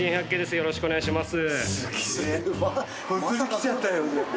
よろしくお願いします。